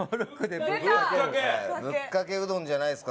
ぶっかけうどんじゃないですか？